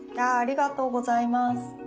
ありがとうございます。